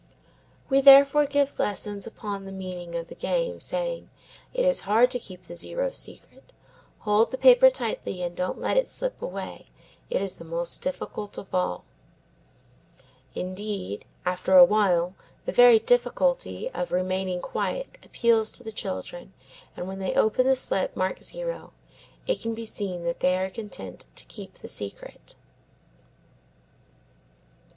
We therefore give lessons upon the meaning of the game, saying, "It is hard to keep the zero secret. Fold the paper tightly and don't let it slip away. It is the most difficult of all." Indeed, after awhile, the very difficulty of remaining quiet appeals to the children and when they open the slip marked zero it can be seen that they are content to keep the secret.